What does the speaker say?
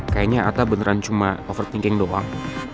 kayaknya ata beneran cuma over thinking doang